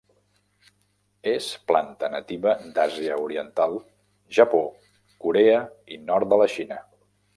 És planta nativa d'Àsia oriental Japó, Corea i nord de la Xina.